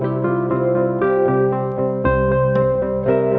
rasul belinda untuk melayu